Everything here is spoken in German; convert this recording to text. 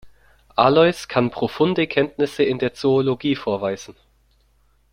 Alois kann profunde Kenntnisse in der Zoologie vorweisen.